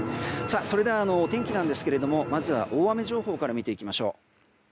それでは天気なんですがまずは大雨情報から見ていきましょう。